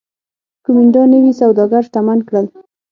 کومېنډا نوي سوداګر شتمن کړل